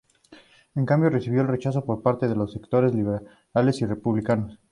En cambio, recibió el rechazo por parte de los sectores liberales y republicanos.